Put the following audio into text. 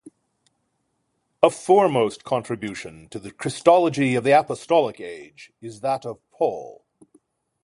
A foremost contribution to the Christology of the Apostolic Age is that of Paul.